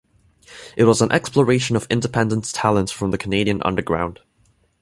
It was an exploration of independent talent from the Canadian underground.